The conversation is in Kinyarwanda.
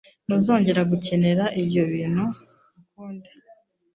Ntuzongera gukenera ibyo bintu ukundi.